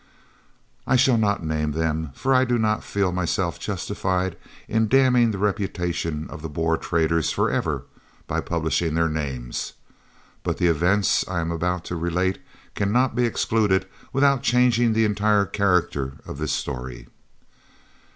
I shall not name them, for I do not feel myself justified in damning the reputation of the Boer traitors for ever by publishing their names, but the events I am about to relate cannot be excluded without changing the entire character of this story.